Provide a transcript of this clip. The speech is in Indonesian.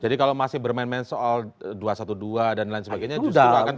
jadi kalau masih bermain main soal dua ratus dua belas dan lain sebagainya justru akan terkumpul di situ